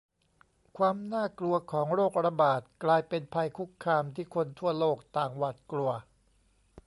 ความน่ากลัวของโรคระบาดกลายเป็นภัยคุกคามที่คนทั่วโลกต่างหวาดกลัว